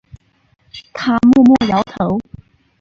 他默默摇头